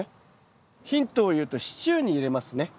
ヒントを言うとシチューに入れますね。